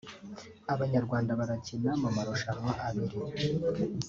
abanyarwanda barakina mu marushanwa abiri